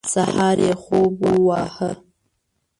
سهار یې خوب وواهه.